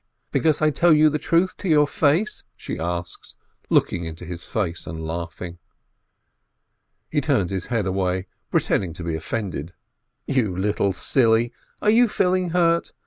Because I tell you the truth to your face?" she asks, looking into his face and laughing. He turns his head away, pretending to be offended. "You little silly, are you feeling hurt?